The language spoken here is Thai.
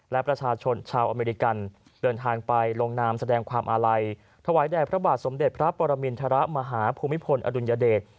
และประชาชนชาวอเมริกันเดินทางไปลงนามแสดงความอาลัยถวายแด่พระบาทสมเด็จพระปรมินทรมาฮภูมิพลอดุลยเดช